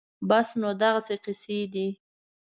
بس نو دغسې قېصې دي